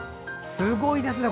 すごいですね！